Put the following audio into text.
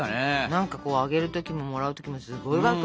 何かこうあげる時ももらう時もすごいワクワクしない？